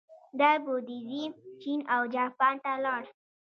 دا بودیزم چین او جاپان ته لاړ